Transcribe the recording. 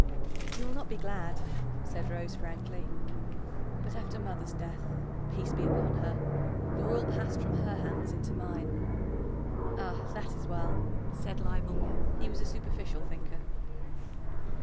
"He will not be glad," said Rose frankly. "But after mother's death peace be upon her the rule passed from her hands into mine." "Ah, that is well," said Leibel. He was a superficial thinker.